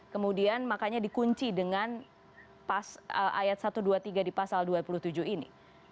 kemudian makanya dikunci dengan ayat satu ratus dua puluh tiga di pasal dua puluh tujuh ini